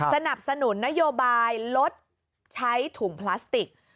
สนับสนุนนโยบายลดใช้ถุงพลาสติก